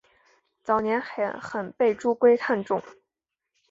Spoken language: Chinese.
早年很被朱圭看重。